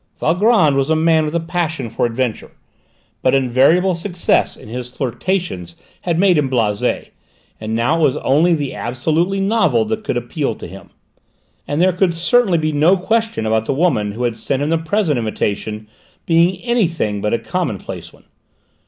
Valgrand was a man with a passion for adventure. But invariable success in his flirtations had made him blasé, and now it was only the absolutely novel that could appeal to him. And there could certainly be no question about the woman who had sent him the present invitation being anything but a commonplace one!